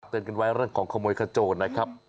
กันไว้เรื่องของขโมยขโจรนะครับ